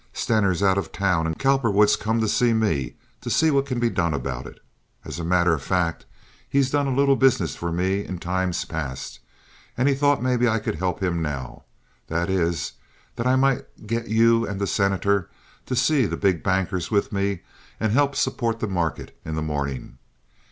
Stener's out of town and Cowperwood's come to me to see what can be done about it. As a matter of fact, he's done a little business for me in times past, and he thought maybe I could help him now—that is, that I might get you and the Senator to see the big bankers with me and help support the market in the mornin'.